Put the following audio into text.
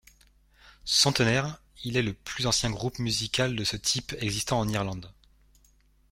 Centenaire, il est le plus ancien groupe musical de ce type existant en Irlande.